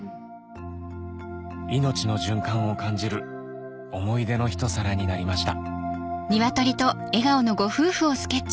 命の循環を感じる思い出の一皿になりました